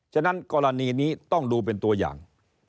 ฉะนั้นกรณีนี้ต้องดูเป็นตัวอย่าง